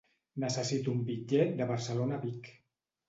Necessito un bitllet de Barcelona a Vic.